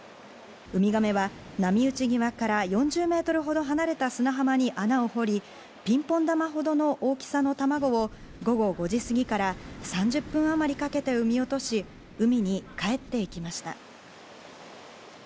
ウミガメは波打ち際から４０ｍほど離れた砂浜に穴を掘り、ピンポン玉ほどの大きさの卵を午後５時すぎから３０分あまりかけて産み落とし、海に帰ってきました。